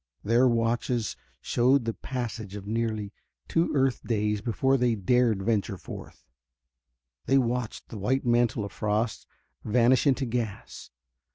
Their watches showed the passage of nearly two earth days before they dared venture forth. They watched the white mantle of frost vanish into gas.